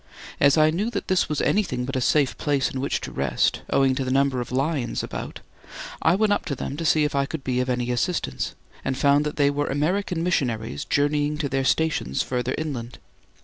As I knew that this was anything but a safe place in which to rest, owing to the number of lions about, I went up to them to see if I could be of any assistance, and found that they were American missionaries journeying to their stations further inland.